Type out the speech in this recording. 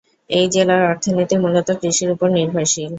এই জেলার অর্থনীতি মূলতঃ কৃষির ওপর নির্ভরশীল।